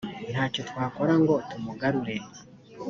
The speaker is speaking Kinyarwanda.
nta cyo twakora ngo tumugarure